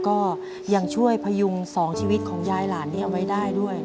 ก็ยังช่วยพยุง๒ชีวิตของยายหลานนี้เอาไว้ได้ด้วย